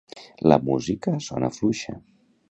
La música sona fluixa.